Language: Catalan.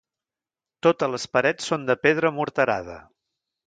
Totes les parets són de pedra morterada.